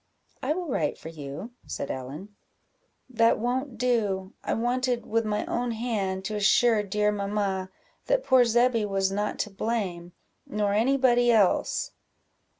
"I will write for you," said Ellen. "That won't do I wanted, with my own hand, to assure dear mamma that poor Zebby was not to blame, nor any body else."